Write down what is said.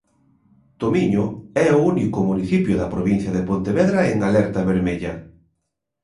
Tomiño é o único municipio da provincia de Pontevedra en alerta vermella.